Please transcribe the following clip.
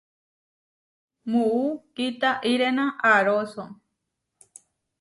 Muú kitáʼirena aaróso.